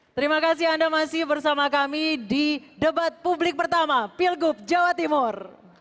terima kasih anda masih bersama kami di debat publik pertama pilgub jawa timur